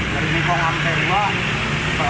dari minggu sampai hari dua